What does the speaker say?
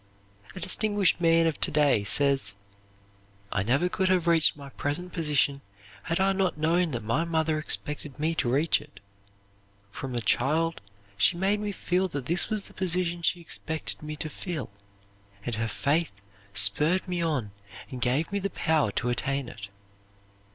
A distinguished man of to day says: "I never could have reached my present position had I not known that my mother expected me to reach it. From a child she made me feel that this was the position she expected me to fill; and her faith spurred me on and gave me the power to attain it."